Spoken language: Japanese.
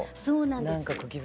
そうなんです。